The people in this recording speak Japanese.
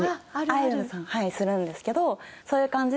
アイドルさんするんですけどそういう感じで。